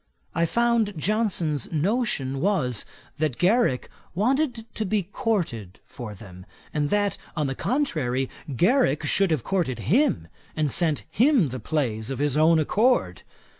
I found Johnson's notion was, that Garrick wanted to be courted for them, and that, on the contrary, Garrick should have courted him, and sent him the plays of his own accord.